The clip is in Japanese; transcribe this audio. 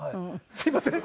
すいません。